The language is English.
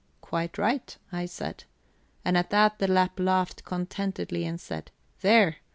'Quite right,' I said. And at that the Lapp laughed contentedly, and said: 'There!